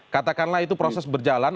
katakanlah itu proses berjalan